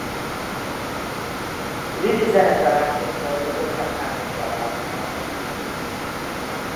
Willy zenetanárként dolgozott a Cano-családnál.